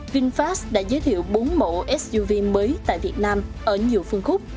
vinfast đã giới thiệu bốn mẫu suv mới tại việt nam ở nhiều phương khúc